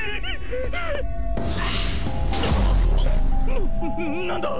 な何だ！？